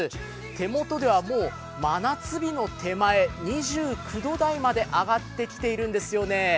手元ではもう真夏日の手前２９度台まで上がってきているんですよね。